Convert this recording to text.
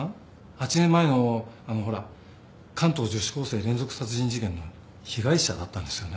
８年前のあのほら関東女子高生連続殺人事件の被害者だったんですよね？